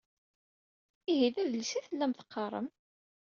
Ihi d adlis ay tellam teqqarem?